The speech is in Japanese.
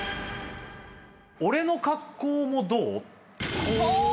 「俺の格好もどう？」